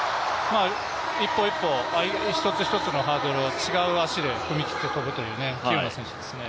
一歩一歩、一つ一つのハードルを違う足で踏み切って跳ぶという器用な選手ですね。